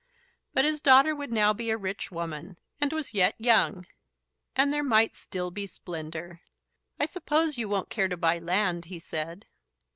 But his daughter would now be a rich woman; and was yet young, and there might still be splendour. "I suppose you won't care to buy land," he said.